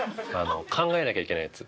考えなきゃいけないやつ。